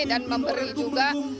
dan memberi juga